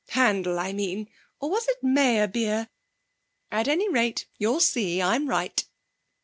'Handel, I mean or was it Meyerbeer? At any rate you'll see I'm right.'